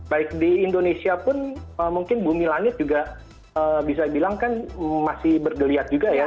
baik di indonesia pun mungkin bumi langit juga bisa bilang kan masih bergeliat juga ya